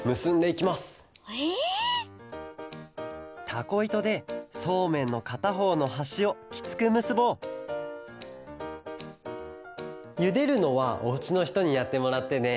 たこいとでそうめんのかたほうのはしをきつくむすぼうゆでるのはおうちのひとにやってもらってね。